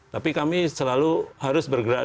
tapi kami selalu harus bergerak